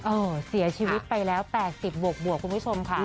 เสียชีวิตไปแล้ว๘๐บวกคุณผู้ชมค่ะ